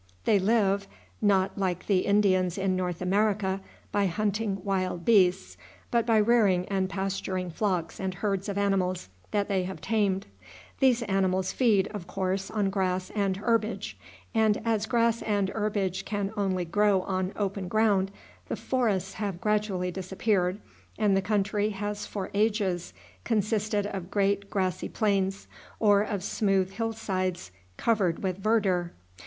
They live, not, like the Indians in North America, by hunting wild beasts, but by rearing and pasturing flocks and herds of animals that they have tamed. These animals feed, of course, on grass and herbage; and, as grass and herbage can only grow on open ground, the forests have gradually disappeared, and the country has for ages consisted of great grassy plains, or of smooth hill sides covered with verdure.